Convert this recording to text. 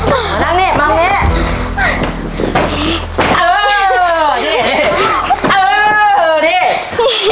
มานั่งนี่มาแบบนี้